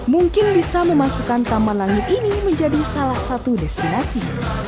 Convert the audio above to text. mungkin bisa memasukkan taman langit ini menjadi salah satu destinasi